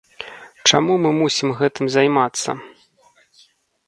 Чаму мы мусім гэтым займацца?